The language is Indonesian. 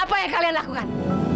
apa yang kalian lakukan